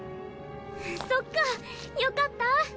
そっかよかった！